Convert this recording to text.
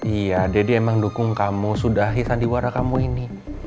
iya deddy emang dukung kamu sudahi sandiwara kamu ini